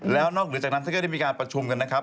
แล้วนอกจากนั้นก็ได้มีการประชุมกันนะครับ